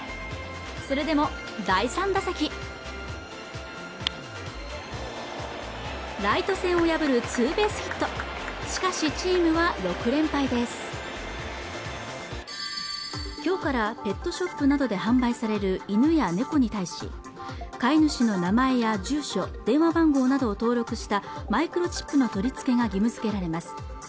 それでも第３打席ライト線を破るツーベースヒットしかしチームは６連敗です今日からペットショップなどで販売される犬や猫に対し飼い主の名前や住所、電話番号などを登録したマイクロチップの取り付けが義務づけられます